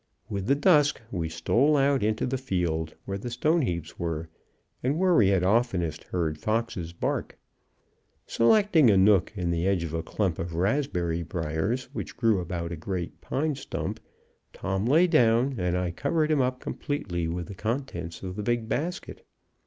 With the dusk we stole out into the field where the stone heaps were, and where we had oftenest heard foxes bark. Selecting a nook in the edge of a clump of raspberry briars which grew about a great pine stump, Tom lay down, and I covered him up completely with the contents of the big basket.